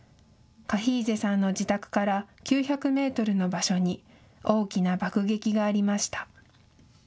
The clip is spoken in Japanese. カヒーゼさんの自宅から９００メートルの場所に大きな爆撃がありました。